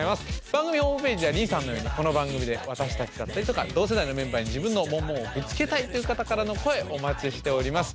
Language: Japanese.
番組ホームページではりんさんのようにこの番組で私たちだったりとか同世代のメンバーに自分のモンモンをぶつけたいという方からの声お待ちしております。